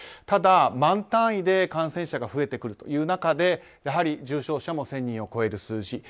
ただ、万単位で感染者が増えてくるという中でやはり重症者も１０００人を超える数字。